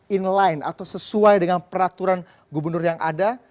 in line atau sesuai dengan peraturan gubernur yang ada